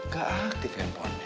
gak aktif handphonenya